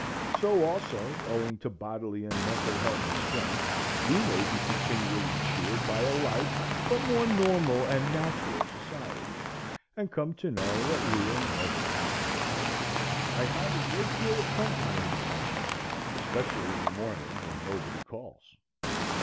So also, owing to bodily and mental health and strength, we may be continually cheered by a like but more normal and natural society, and come to know that we are never alone. I have a great deal of company in my house; especially in the morning, when nobody calls.